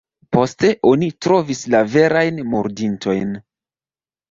Poste oni trovis la verajn murdintojn.